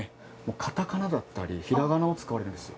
カタカナだったりひらがなを使われるんですよ